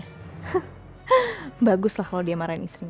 he he bagus lah kalo dia marahin istrinya